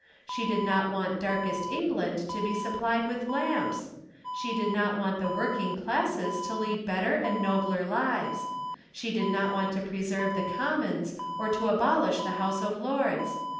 She did not want darkest England to be supplied with lamps. She did not want the working classes to lead better and nobler lives. She did not want to preserve the Commons or to abolish the House of Lords.